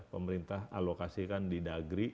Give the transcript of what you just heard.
pemerintah alokasikan di dagri